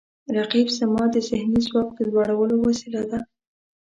رقیب زما د ذهني ځواک د لوړولو وسیله ده